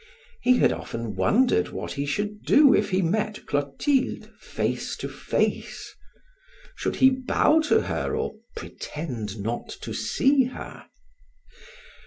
He had often wondered what he should do if he met Clotilde face to face. Should he bow to her or pretend not to see her?